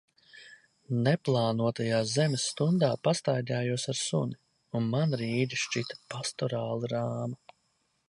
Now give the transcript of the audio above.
Neplānotajā Zemes stundā pastaigājos ar suni, un man Rīga šķita pastorāli rāma.